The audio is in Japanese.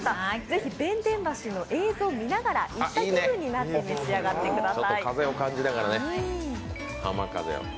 ぜひ弁天橋の映像を見ながら行った気分になって召し上がってください。